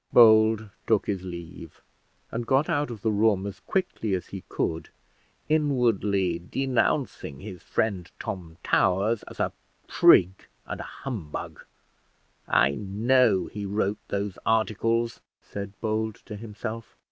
Bold took his leave, and got out of the room as quickly as he could, inwardly denouncing his friend Tom Towers as a prig and a humbug. "I know he wrote those articles," said Bold to himself.